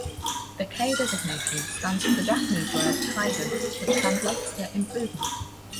The K designation stands for the Japanese word kaizen which translates to "improvement".